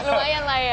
lumayan lah ya